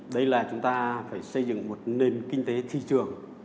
đây là chúng ta phải xây dựng một nền kinh tế thị trường